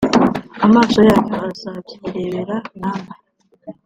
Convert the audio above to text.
amaso yanyu azabyirebera namwe